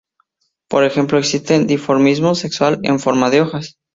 Por ejemplo, existente dimorfismo sexual en forma de hojas.